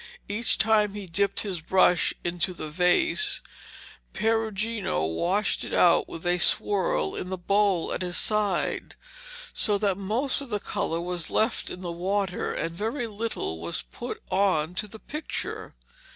Each time he dipped his brush into the vase, Perugino washed it out with a swirl in the bowl at his side, so that most of the colour was left in the water, and very little was put on to the picture.